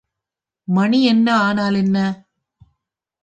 மணி என்ன ஆனால் என்ன?